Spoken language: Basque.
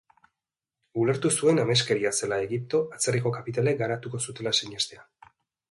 Ulertu zuen ameskeria zela Egipto atzerriko kapitalek garatuko zutela sinestea.